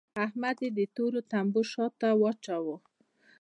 احمد يې د تورو تمبو شا ته واچاوو.